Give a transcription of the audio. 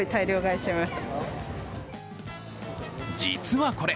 実はこれ、